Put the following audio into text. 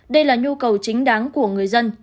đây là nhu cầu chính đáng của người dân